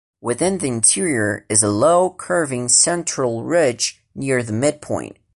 Within the interior is a low, curving central ridge near the midpoint.